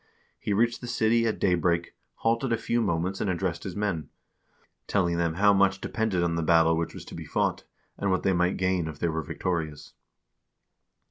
He reached the city at daybreak, halted a few moments and addressed his men, telling them how much depended on the battle which was to be fought, and what they might gain if they were victorious.